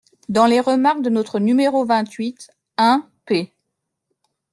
dans les remarques de notre nº vingt-huit (un, p.